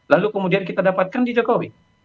lalu kemudian kita dapatkan di jokowi